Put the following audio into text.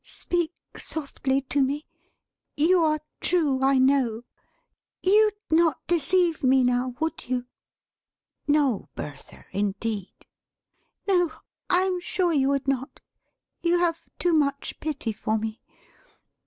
Speak softly to me. You are true, I know. You'd not deceive me now; would you?" "No, Bertha, indeed!" "No, I am sure you would not. You have too much pity for me.